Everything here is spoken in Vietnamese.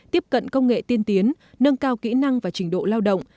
tiếp cận công nghệ tiên tiến nâng cao kỹ năng và trình độ lao động